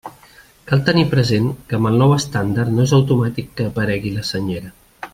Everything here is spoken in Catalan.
Cal tenir present que amb el nou estàndard no és automàtic que aparegui la Senyera.